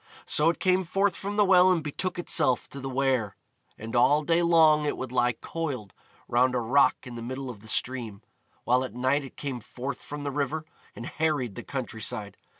So it came forth from the well and betook itself to the Wear. And all day long it would lie coiled round a rock in the middle of the stream, while at night it came forth from the river and harried the country side.